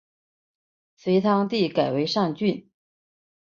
隋炀帝改为上郡。